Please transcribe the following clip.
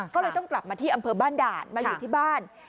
ก็เลยต้องกลับมาที่อำเภอบ้านด่านมาอยู่ที่บ้าน